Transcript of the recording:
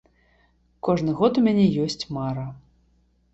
Кожны год у мяне ёсць мара.